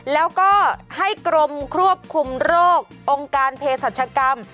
แล้วก็ให้กรมควบคุมโรคองค์การเพศรัชกรรม